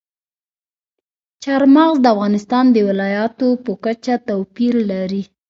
چار مغز د افغانستان د ولایاتو په کچه توپیر لري.